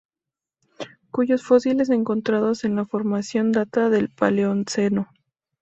Cuyos fósiles encontrados en la formación datan del Paleoceno.